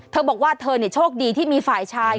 เธอบอกว่าเธอโชคดีที่มีฝ่ายชาย